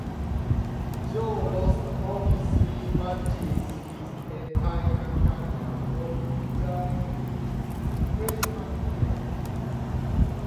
Joe lost only three matches his entire career, all during his freshman year.